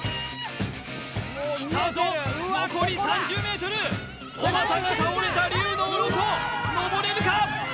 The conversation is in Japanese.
来たぞ残り３０ｍおばたが倒れた竜の鱗のぼれるか？